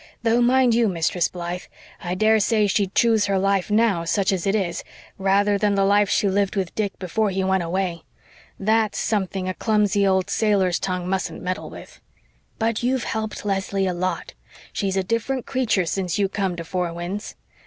Though, mind you, Mistress Blythe, I daresay she'd choose her life now, such as it is, rather than the life she lived with Dick before he went away. THAT'S something a clumsy old sailor's tongue mustn't meddle with. But you've helped Leslie a lot she's a different creature since you come to Four Winds.